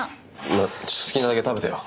いや好きなだけ食べてよ。